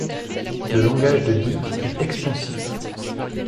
Le langage de Dyck est expansif.